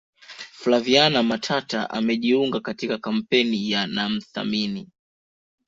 flaviana matata amejiunga katika kampeni ya namthamini